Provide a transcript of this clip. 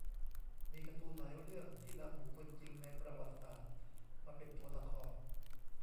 มีการ์ตูนหลายเรื่องที่นำบุคคลจริงในประวัติศาสตร์มาเป็นตัวละคร